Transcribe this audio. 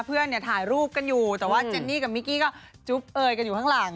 เพื่อนเนี่ยถ่ายรูปกันอยู่แต่ว่าเจนนี่กับมิกกี้ก็จุ๊บเอยกันอยู่ข้างหลัง